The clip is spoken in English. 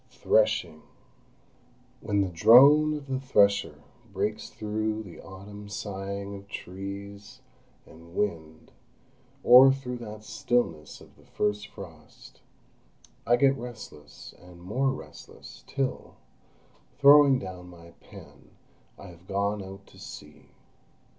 THRESHING When the drone of the thresher breaks through the autumn sighing of trees and wind, or through that stillness of the first frost, I get restless and more restless, till, throwing down my pen, I have gone out to see.